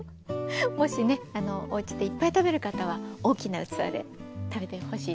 もしねおうちでいっぱい食べる方は大きな器で食べてほしいと思います。